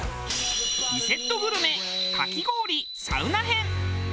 リセットグルメかき氷サウナ編。